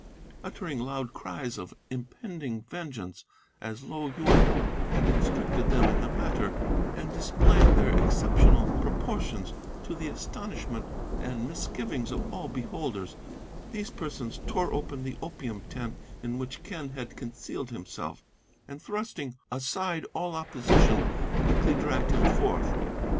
Uttering loud cries of an impending vengeance, as Lo Yuen had instructed them in the matter, and displaying their exceptional proportions to the astonishment and misgivings of all beholders, these persons tore open the opium tent in which Quen had concealed himself, and, thrusting aside all opposition, quickly dragged him forth.